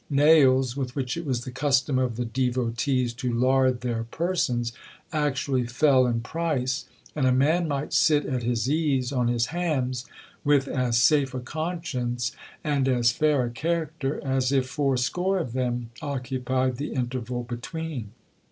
Nails (with which it was the custom of the devotees to lard their persons) actually fell in price; and a man might sit at his ease on his hams with as safe a conscience, and as fair a character, as if fourscore of them occupied the interval between.